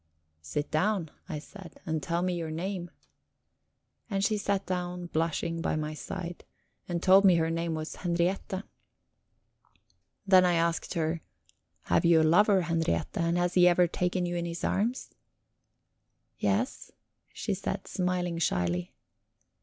"Sit down," I said, "and tell me your name." And she sat down, blushing, by my side, and told me her name was Henriette. Then I asked her: "Have you a lover, Henriette, and has he ever taken you in his arms?" "Yes," she said, smiling shyly.